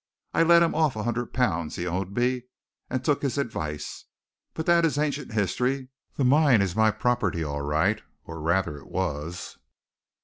I let him off a hundred pounds he owed me, and took his advice. But that is ancient history. The mine is my property all right or rather it was."